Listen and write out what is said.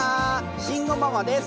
慎吾ママです。